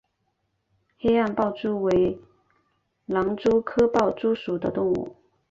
黑暗豹蛛为狼蛛科豹蛛属的动物。